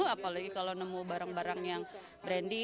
apalagi kalau nemu barang barang yang branding